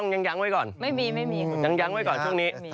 ยังยั้งไว้ก่อนยังยั้งไว้ก่อนช่วงนี้